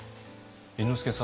猿之助さん